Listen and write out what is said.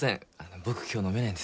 僕今日飲めないんです。